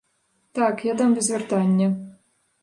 Так, я дам без вяртання.